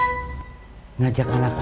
anak kerja di tempat pak aji